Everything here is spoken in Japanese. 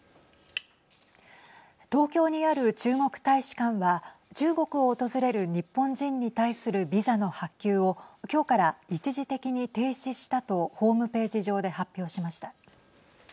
東京にある中国大使館は中国を訪れる日本人に対するビザの発給を今日から一時的に停止したとホームページ上で発表しました。